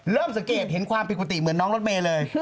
สังเกตเห็นความผิดปกติเหมือนน้องรถเมย์เลย